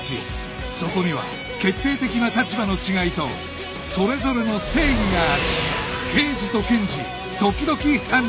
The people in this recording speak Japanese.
そこには決定的な立場の違いとそれぞれの正義がある